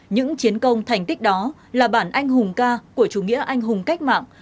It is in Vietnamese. những chiến công thành tích đó là bản anh hùng ca của chủ nghĩa anh hùng cách mạng